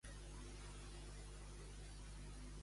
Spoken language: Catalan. L'un tossut, l'altre més, qui de Déu els entén res?